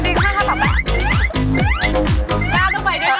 อ๋อในนี้ข้างแบบแบบ